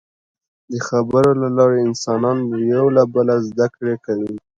د خبرو له لارې انسانان یو له بله زدهکړه کوي.